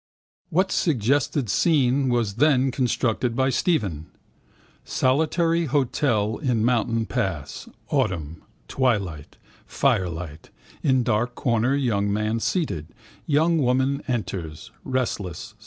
What suggested scene was then constructed by Stephen? Solitary hotel in mountain pass. Autumn. Twilight. Fire lit. In dark corner young man seated. Young woman enters. Restless.